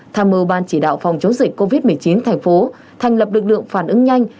tham mưu ban chỉ đạo phòng chống dịch covid một mươi chín thành phố thành lập lực lượng phản ứng nhanh